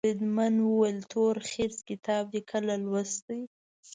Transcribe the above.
بریدمن وویل تورخرس کتاب دي کله لوستی.